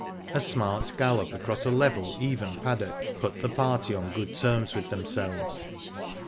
A smart gallop across a level, even paddock put the party on good terms with themselves.